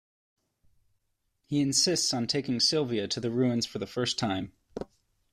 He insists on taking Sylvia to the ruins for the first time.